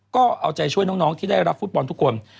ก็เอาใจช่วยน้องที่ได้รับฟุตบอลทุกคน